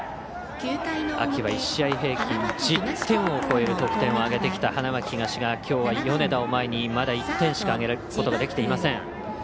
秋は１試合平均１０点を超える得点を挙げてきた花巻東がきょうは米田を前にまだ１点しか挙げることができていません。